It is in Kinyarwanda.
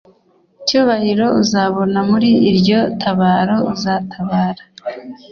cyubahiro uzabona muri iryo tabaro uzatabara